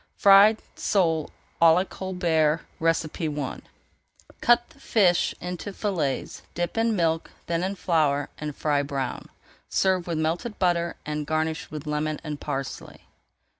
FRIED SOLE À LA COLBERT I Cut the fish into fillets, dip in milk, then in flour, and fry brown. Serve with melted butter and garnish with lemon and parsley.